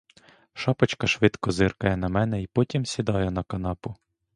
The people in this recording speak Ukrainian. Шапочка швидко зиркає на мене й потім сідає на канапу.